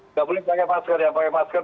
tidak boleh pakai masker